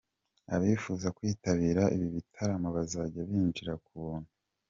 Abifuza kwitabira ibi bitaramo bazajya binjira ku buntu.